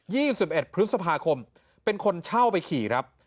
ี่สิบเอ็ดพฤษภาคมเป็นคนเช่าไปขี่ครับ